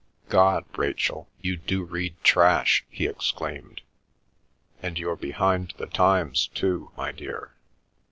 "God, Rachel, you do read trash!" he exclaimed. "And you're behind the times too, my dear.